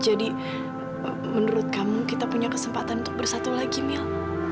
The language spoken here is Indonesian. jadi menurut kamu kita punya kesempatan untuk bersatu lagi mil